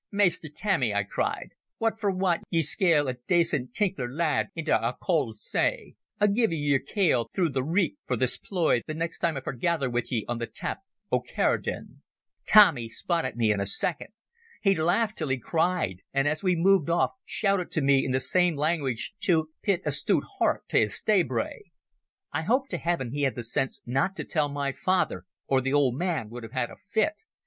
'Maister Tammy,' I cried, 'what for wad ye skail a dacent tinkler lad intil a cauld sea? I'll gie ye your kail through the reek for this ploy the next time I forgaither wi' ye on the tap o' Caerdon.' "Tommy spotted me in a second. He laughed till he cried, and as we moved off shouted to me in the same language to 'pit a stoot hert tae a stey brae'. I hope to Heaven he had the sense not to tell my father, or the old man will have had a fit.